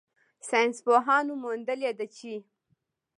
ساینسپوهانو موندلې ده چې